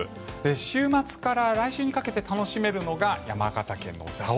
週末から来週にかけて楽しめるのが山形県の蔵王